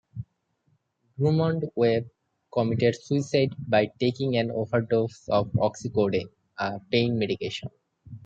Drummond-Webb committed suicide by taking an overdose of Oxycodone, a pain medication.